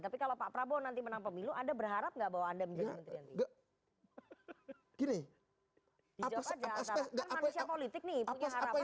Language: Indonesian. tapi kalau pak prabowo nanti menang pemilu anda berharap nggak bahwa anda menjadi menteri yang tinggi